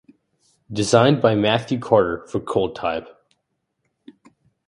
Designed by Matthew Carter for cold type.